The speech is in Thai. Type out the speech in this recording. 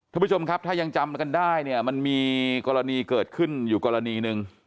ท่านผู้ชมครับถ้ายังจำกันได้เนี่ยมันมีกรณีเกิดขึ้นอยู่กรณีหนึ่ง